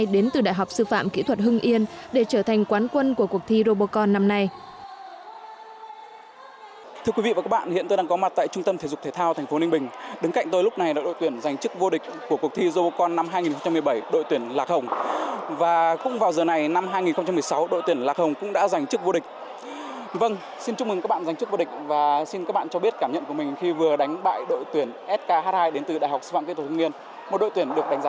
đến từ đại học sư phạm kỹ thuật hưng yên để trở thành quán quân của cuộc thi robocon năm nay